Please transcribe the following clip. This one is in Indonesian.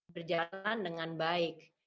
berjalan dengan baik